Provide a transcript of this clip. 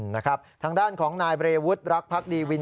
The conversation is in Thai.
นะครับทางด้านของนายเบรวุฒิรักพักดีวิน